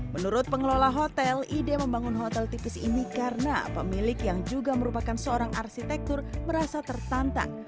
menurut pengelola hotel ide membangun hotel tipis ini karena pemilik yang juga merupakan seorang arsitektur merasa tertantang